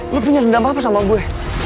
lu punya dendam apa sama gue